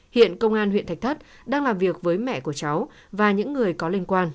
hiện công an huyện thạch thất đang làm việc với mẹ của cháu và những người có liên quan